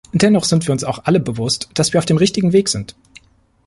Dennoch sind wir uns auch alle bewusst, dass wir auf dem richtigen Weg sind.